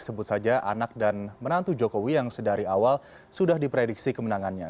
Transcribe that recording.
sebut saja anak dan menantu jokowi yang sedari awal sudah diprediksi kemenangannya